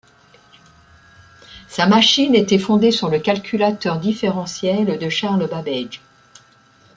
Sa machine était fondée sur le calculateur différentiel de Charles Babbage.